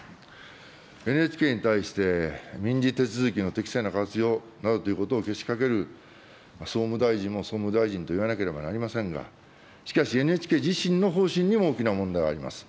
ＮＨＫに対して、民事手続きの適正な活用などということをけしかける総務大臣も総務大臣といわなければなりませんが、しかし、ＮＨＫ自身の方針にも、大きな問題があります。